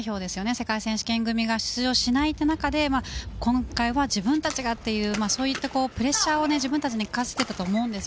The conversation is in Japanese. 世界選手権組が出場しない中で今回は自分たちがというプレッシャーを自分たちに課していると思うんです。